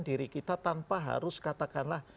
diri kita tanpa harus katakanlah